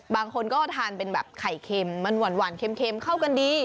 บางคนก็ทานเป็นแบบไข่เค็มมันหวานเค็มเข้ากันดี